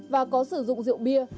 và có sử dụng rượu bia